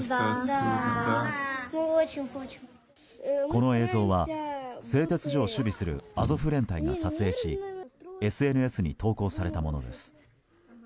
この映像は、製鉄所を守備するアゾフ連隊が撮影しＳＮＳに投稿されたものです。